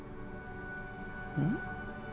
うん？